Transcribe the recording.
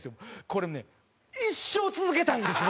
これね一生続けたいんですよ